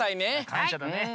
かんしゃだね。